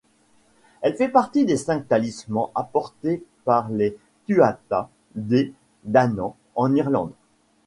Elle fait partie des cinq talismans apportés par les Tuatha Dé Danann en Irlande.